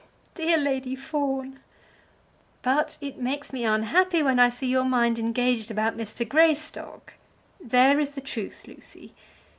"Dear Lady Fawn!" "But it makes me unhappy when I see your mind engaged about Mr. Greystock. There is the truth, Lucy.